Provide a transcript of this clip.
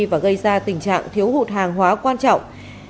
và gây ra tình trạng thiếu hụt hàng hóa quan trọng